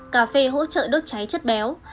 hai cà phê hỗ trợ đốt cháy chất béo